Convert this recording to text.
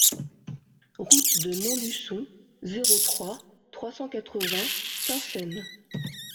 Route de Montluçon, zéro trois, trois cent quatre-vingts Quinssaines